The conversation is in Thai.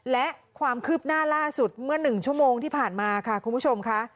และความคืบหน้าล่าสุดเมื่อ๑ชั่วโมงที่ผ่านมาค่ะคุณผู้ชมค่ะ